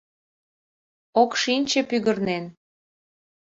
Ок шинче пӱгырнен.